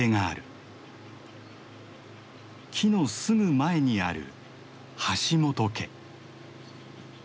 木のすぐ前にある橋本家。